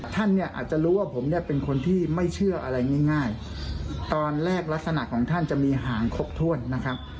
ท่านเนี่ยอาจจะรู้ว่าผมเนี่ยเป็นคนที่ไม่เชื่ออะไรง่ายตอนแรกลักษณะของท่านจะมีหางครบถ้วนนะครับ